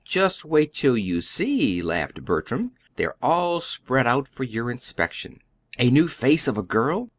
"Just wait till you see," laughed Bertram. "They're all spread out for your inspection." "A new 'Face of a Girl'?"